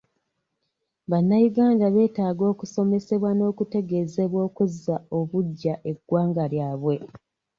Bannayuganda betaaga okusomesebwa nokutegezebwa okuzza obuggya eggwanga lyabwe.